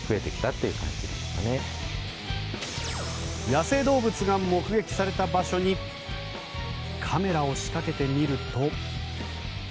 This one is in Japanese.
野生動物が目撃された場所にカメラを仕掛けてみると。